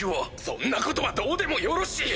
そんなことはどうでもよろしい！